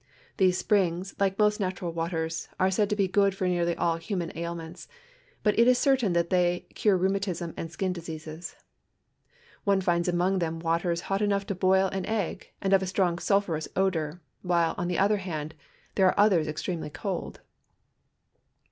These springs, like most natural waters, are said to be good for nearly all human ailments, but it is certain that they cure rheumatism an<l skin diseases. One finds among them waters hot enough to boil an egg and of a strong siilphui'ous odor, while, on the other hand, there are others extremel}' cold.